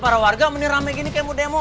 para warga menirame gini kayak mau demo